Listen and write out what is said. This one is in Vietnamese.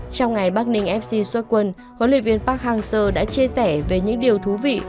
trong ngày bắc ninh fc xuất quân huấn luyện viên park hang seo đã chia sẻ về những điều thú vị